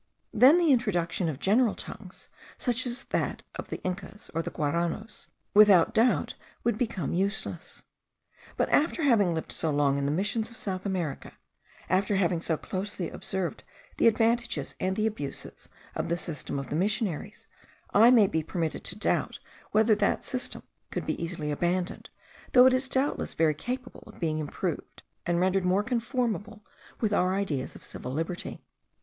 Then the introduction of general tongues, such as that of the Incas, or the Guaranos, without doubt would become useless. But after having lived so long in the Missions of South America, after having so closely observed the advantages and the abuses of the system of the missionaries, I may be permitted to doubt whether that system could be easily abandoned, though it is doubtless very capable of being improved, and rendered more conformable with our ideas of civil liberty.